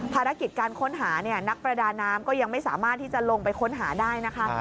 ภารกิจการค้นหาเนี่ยนักประดาน้ำก็ยังไม่สามารถที่จะลงไปค้นหาได้นะคะ